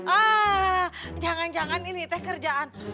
ah jangan jangan ini teh kerjaan